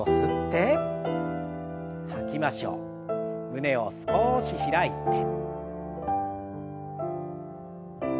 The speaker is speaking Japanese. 胸を少し開いて。